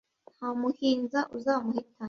nta muhinza uzamuhitana